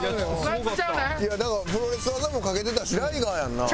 いやなんかプロレス技もかけてたしライガーやんなあ。